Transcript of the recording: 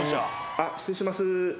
あっ失礼します。